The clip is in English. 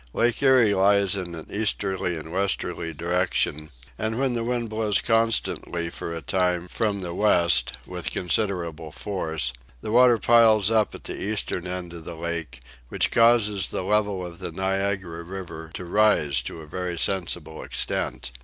Lake Erie lies in an easterly and westerly direction, and when the wind blows constantly for a time from the west, with considerable force, the water piles up at the eastern end of the lake, which causes the level of the Niagara River to rise to a very sensible extent.